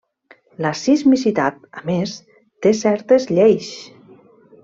La sismicitat, a més, té certes lleis.